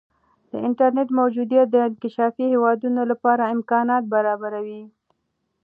د انټرنیټ موجودیت د انکشافي هیوادونو لپاره امکانات برابروي.